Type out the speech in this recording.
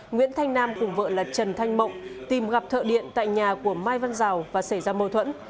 nguyễn thanh nam cùng vợ là trần thanh mộng tìm gặp thợ điện tại nhà của mai văn giào và xảy ra mâu thuẫn